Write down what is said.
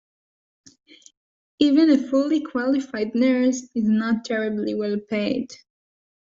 Even a fully qualified nurse isn’t terribly well paid.